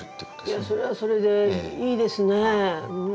いやそれはそれでいいですね。